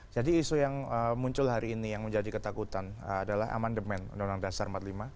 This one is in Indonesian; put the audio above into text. jadi isu yang muncul hari ini yang menjadi ketakutan adalah aman demand undang undang dasar empat puluh lima